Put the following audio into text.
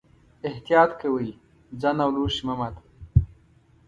احتیاط کوئ، ځان او لوښي مه ماتوئ.